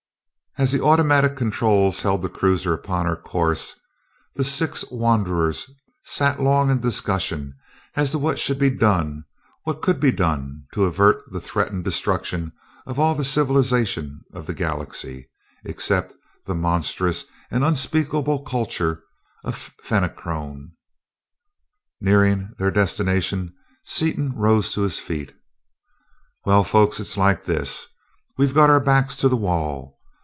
As the automatic controls held the cruiser upon her course, the six wanderers sat long in discussion as to what should be done, what could be done, to avert the threatened destruction of all the civilization of the Galaxy except the monstrous and unspeakable culture of the Fenachrone. Nearing their destination, Seaton rose to his feet. "Well, folks, it's like this. We've got our backs to the wall.